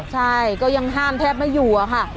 ใช่ก็ยังห้ามแทบไม่อยู่อะค่ะ